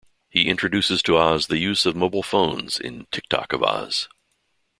He introduces to Oz the use of mobile phones in Tik-Tok of Oz.